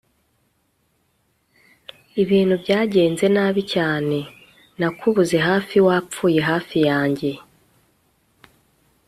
ibintu byagenze nabi cyane, nakubuze hafi, wapfuye hafi yanjye